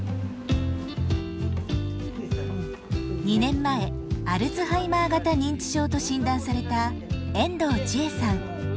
２年前アルツハイマー型認知症と診断された遠藤チエさん。